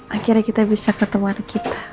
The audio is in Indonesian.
akhirnya kita bisa ketemu anak kita